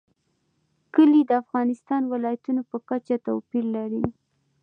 کلي د افغانستان د ولایاتو په کچه توپیر لري.